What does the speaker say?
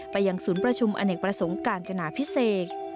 ยังศูนย์ประชุมอเนกประสงค์การจนาพิเศษ